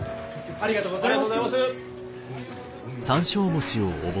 ありがとうございます！